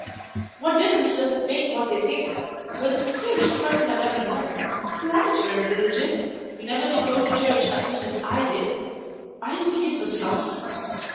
"What difference does it make what they think? You're the queerest person I've ever known! You aren't very religious. You never did go to church as much as I did. Are you going in for slums?"